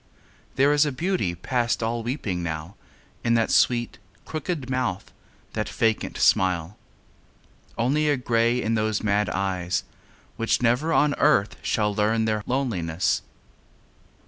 There is a beauty past all weeping now In that sweet, crooked mouth, that vacant smile; Only a lonely grey in those mad eyes, Which never on earth shall learn their loneliness.